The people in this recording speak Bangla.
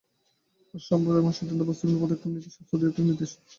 আজ সোমবার এসব সিদ্ধান্ত বাস্তবায়নের পদক্ষেপ নিতে স্বাস্থ্য অধিদপ্তরকে নির্দেশ দেন মন্ত্রী।